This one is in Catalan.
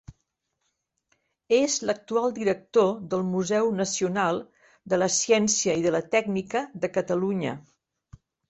És l'actual director del Museu Nacional de la Ciència i de la Tècnica de Catalunya.